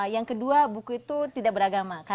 yang kedua buku itu tidak beragama